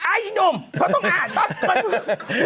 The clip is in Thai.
ไอ้หนุ่มเขาต้องอ่าน